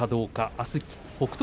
あすは北勝